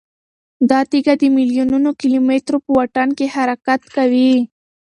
دا تیږه د میلیونونو کیلومترو په واټن کې حرکت کوي.